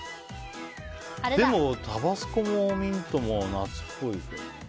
でも、タバスコもミントも夏っぽいけどね。